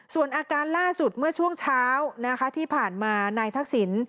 ส่วนอาการล่าสุดเมื่อช่วงเช้านะคะที่ผ่านมานายทักษิณ